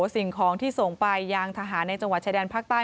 สิ่งของที่ส่งไปยังทหารในจังหวัดชายแดนภาคใต้